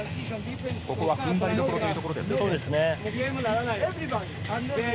ここは踏ん張りどころということですね。